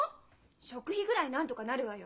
食費ぐらいなんとかなるわよ。